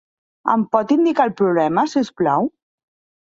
Em pot indicar el problema, si us plau?